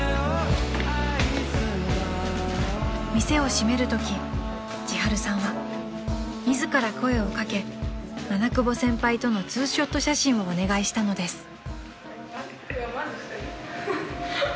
［店を閉めるとき千春さんは自ら声を掛け七久保先輩とのツーショット写真をお願いしたのです］